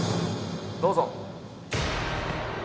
どうぞ。